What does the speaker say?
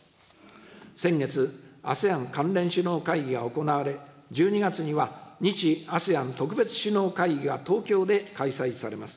先月、ＡＳＥＡＮ関連首脳会議が行われ、１２月には日・ＡＳＥＡＮ特別首脳会議が東京で開催されます。